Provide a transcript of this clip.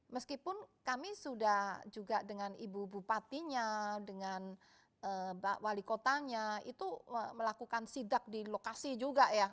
meskipun kami sudah juga dengan ibu bupatinya dengan wali kotanya itu melakukan sidak di lokasi juga ya